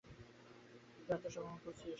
তুই আত্মসমর্পণ করছিস?